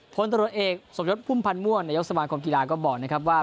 ผลตรวจเอกสมยศพุ่มพันธ์ม่วงนายกสมาคมกีฬาก็บอกนะครับว่า